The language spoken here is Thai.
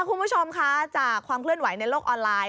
คุณผู้ชมคะจากความเคลื่อนไหวในโลกออนไลน์